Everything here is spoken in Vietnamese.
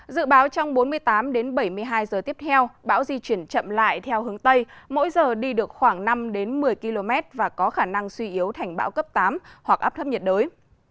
dự báo trong bốn mươi tám đến bảy mươi hai giờ tiếp theo bão di chuyển chậm lại theo hướng tây mỗi giờ đi được khoảng năm một mươi km và có khả năng suy yếu thành bão cấp tám hoặc áp thấp nhiệt đới